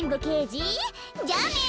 じゃあね！